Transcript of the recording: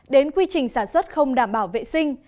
đến quy trình sản xuất không đảm bảo vệ sinh